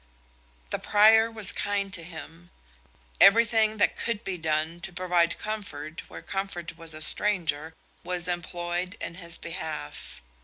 The prior was kind to him; everything that could be done to provide comfort where comfort was a stranger was employed in his behalf.